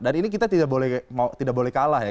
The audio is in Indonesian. dan ini kita tidak boleh kalah ya